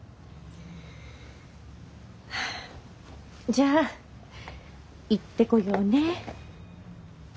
じゃあ行ってこようね。